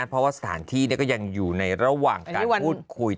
เพราะว่าสถานที่ก็ยังอยู่ในระหว่างการพูดคุย